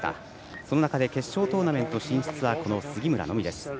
その中で決勝トーナメント進出は杉村のみです。